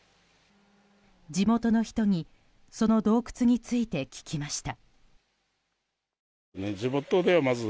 地元の人にその洞窟について聞きました。